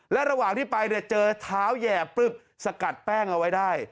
และระหว่างที่ไปเจอเท้าแห่ปุ๊บสกัดแป้งเอาไว้ได้